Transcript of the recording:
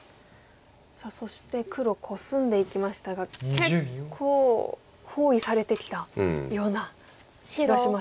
そして黒コスんでいきましたが結構包囲されてきたような気がしますが。